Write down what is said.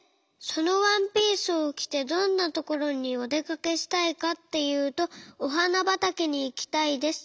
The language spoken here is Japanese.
そのワンピースをきてどんなところにおでかけしたいかっていうとおはなばたけにいきたいです。